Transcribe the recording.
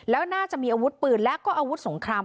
แล้วน่าจะมีอาวุธปืนและก็อาวุธสงคราม